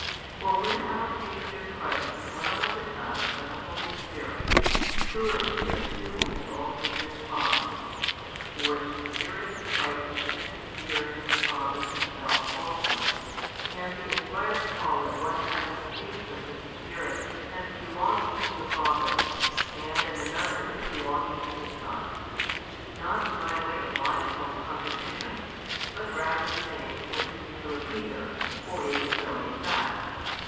For when our Saviour Christ dwells in us by the Holy Spirit, surely there too will be also His Father; for the Spirit of Christ is the Spirit of the Father Himself also, and the inspired Paul at one time speaks of the Spirit as belonging to the Father, and at another as belonging to the Son: not by way of logical contradiction, but rather saying what is true of either, for it is so in fact.